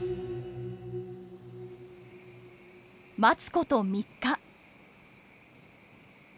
待つこと３日。